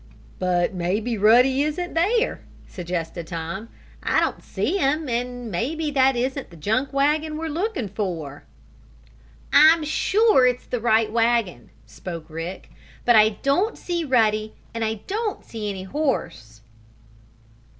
"But maybe Ruddy isn't there," suggested Tom. "I don't see him, and maybe that isn't the junk wagon we're looking for." "I'm sure it's the right wagon," spoke Rick. "But I don't see Ruddy. And I don't see any horse."